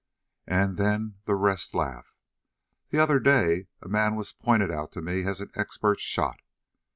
And then the rest laugh. The other day a man was pointed out to me as an expert shot.